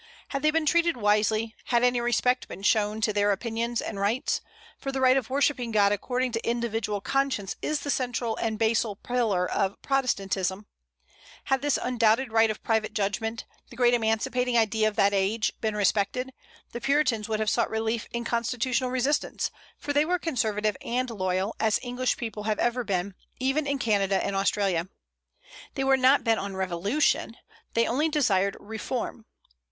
Had they been treated wisely, had any respect been shown to their opinions and rights, for the right of worshipping God according to individual conscience is the central and basal pillar of Protestantism, had this undoubted right of private judgment, the great emancipating idea of that age, been respected, the Puritans would have sought relief in constitutional resistance, for they were conservative and loyal, as English people ever have been, even in Canada and Australia. They were not bent on revolution; they only desired reform.